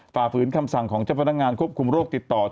ฝ่าฝืนคำสั่งของเจ้าพนักงานควบคุมโรคติดต่อ